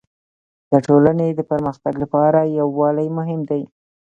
د ټولني د پرمختګ لپاره يووالی مهم دی.